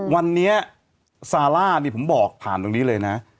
วันนี้ซาร่านี่ผมบอกผ่านตรงนี้เลยนะ